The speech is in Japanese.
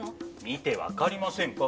見てわかりませんか？